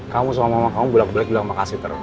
kamu sama mama kamu belak belak bilang makasih